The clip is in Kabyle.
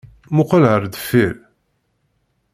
Muqqel ar deffir!